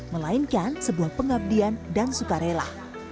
melainkan sebuah pengabdian dan sukarela